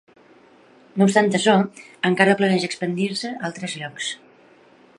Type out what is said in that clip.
No obstant això, encara planeja expandir-se a altres llocs.